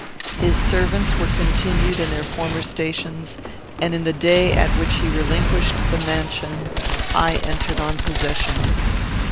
His servants were continued in their former stations, and in the day at which he relinquished the mansion, I entered on possession.